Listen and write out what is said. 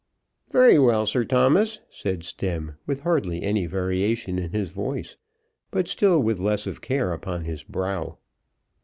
"Very well, Sir Thomas," said Stemm, with hardly any variation in his voice, but still with less of care upon his brow.